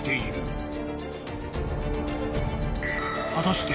［果たして］